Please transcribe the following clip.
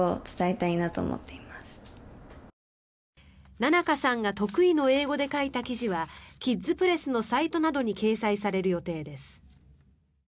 ななかさんが得意の英語で書いた記事はキッズプレスのサイトなどに掲載される予定です。